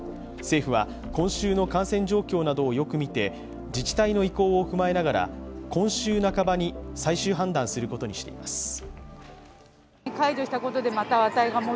政府は今週の感染状況などをよく見て自治体の意向を踏まえながら今週半ばに最終判断することにしています。